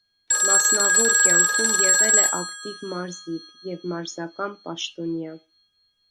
Մասնավոր կյանքում եղել է ակտիվ մարզիկ և մարզական պաշտոնյա։